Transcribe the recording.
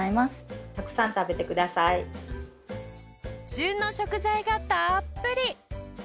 旬の食材がたっぷり！